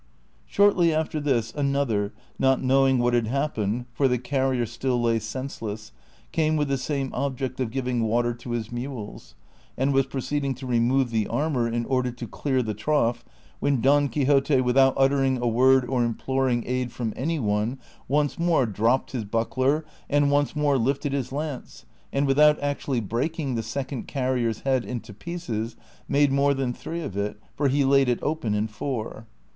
Shortly after this, another, not knowing what had happened (for the carrier still lay senseless), came with the same object of giving water to his mules, and was proceeding to remove the armor in order to clear the trough, when Don Quixote, without uttering a word or imploring aid from any one, once more dropped his buckler and once more lifted his lance, and with out actually breaking the second carrier's head into pieces, made more than three of it, for he laid it open in four.